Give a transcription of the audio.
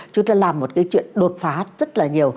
chúng ta làm một cái chuyện đột phá rất là nhiều